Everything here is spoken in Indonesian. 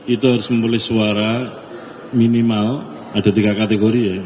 itu harus memulih suara minimal ada tiga kategori ya